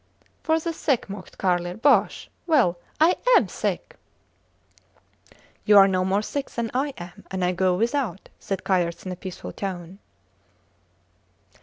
For the sick, mocked Carlier. Bosh! ... Well! I am sick. You are no more sick than I am, and I go without, said Kayerts in a peaceful tone.